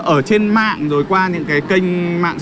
ở trên mạng rồi qua những cái kênh mạng